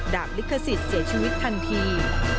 ลิขสิทธิ์เสียชีวิตทันที